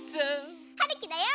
はるきだよ！